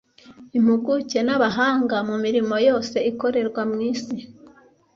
impuguke n’abahanga mu mirimo yose ikorerwa mu isi